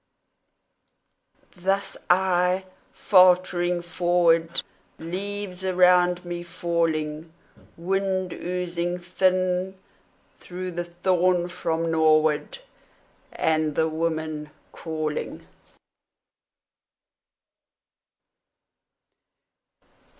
Thus I; faltering forward, Leaves around me falling, Wind oozing thin through the thorn from norward, And the woman calling.